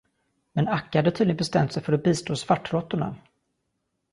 Men Akka hade tydligen bestämt sig för att bistå svartråttorna.